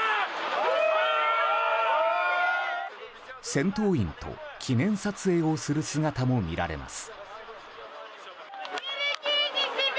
戦闘員と記念撮影をする姿も見られます。